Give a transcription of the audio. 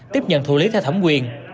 tiếp nhận thủ lý theo thẩm quyền